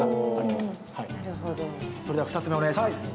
それでは２つ目お願いします。